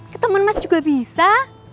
ke teman mas juga bisa